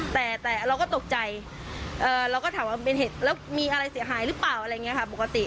แต่เราก็ตกใจเราก็ถามว่าเป็นเหตุแล้วมีอะไรเสียหายหรือเปล่าอะไรอย่างนี้ค่ะปกติ